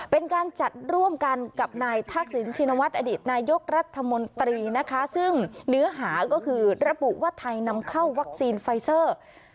เป็นการจัดร่วมกันกับนายทักษิณชินวัฒน์อดีตนายกรัฐมนตรีนะคะซึ่งเนื้อหาก็คือระบุว่าไทยนำเข้าวัคซีนไฟเซอร์